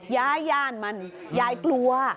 ย่าย่านมันยายกลัว